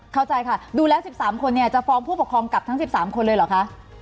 เข้าใจค่ะดูแล้วสิบสามคนนี้จะฟอร์มผู้ปกครองกับทั้งสิบสามคนเลยหรอคะ